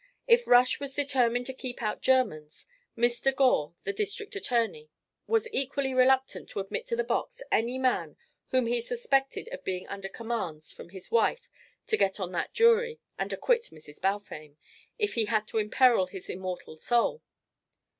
If Rush was determined to keep out Germans, Mr. Gore, the district attorney, was equally reluctant to admit to the box any man whom he suspected of being under commands from his wife to get on that jury and acquit Mrs. Balfame, if he had to imperil his immortal soul.